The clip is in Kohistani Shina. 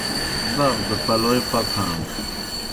باغ دہ پلوئے پکھان۔